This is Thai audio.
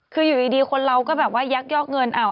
คืออยู่ดีคนเราก็แบบว่ายักยอกเงิน